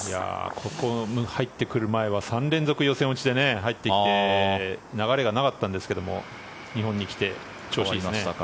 ここ、入ってくる前は３連続予選落ちで入ってきて流れがなかったんですけど日本に来て調子がいいですね。